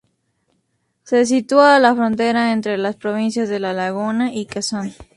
Se sitúa a la frontera entre las provincias de La Laguna y Quezón.